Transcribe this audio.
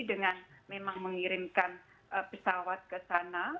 dengan memang mengirimkan pesawat ke sana